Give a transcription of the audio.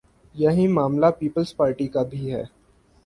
یہی معاملہ پیپلزپارٹی کا بھی ہے۔